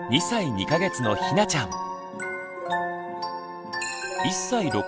２歳２か月のひなちゃん。